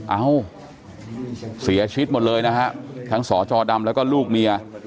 เอ้าเสียชีวิตหมดเลยนะฮะทั้งสจดำแล้วก็ลูกเมีย